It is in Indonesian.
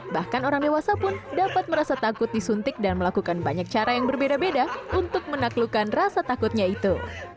bahkan orang dewasa pun dapat merasa takut disuntik dan melakukan banyak cara yang berbeda beda untuk menaklukkan rasa takutnya itu